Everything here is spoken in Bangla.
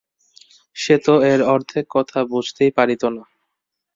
সে তো এর অর্ধেক কথা বুঝিতেই পারিত না।